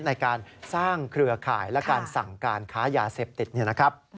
ในการสร้างเครือข่ายและการสั่งการค้ายาเสพติดเนี่ยนะครับ